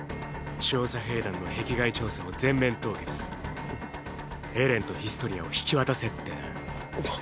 調査兵団の壁外調査を全面凍結エレンとヒストリアを引き渡せってな。